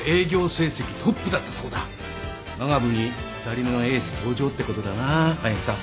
わが部に２人目のエース登場ってことだな速見さん。